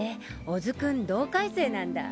小津君同回生なんだ。